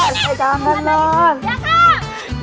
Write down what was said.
iya aku juga kangen